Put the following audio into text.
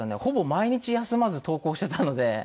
ほぼ毎日休まず投稿してたので。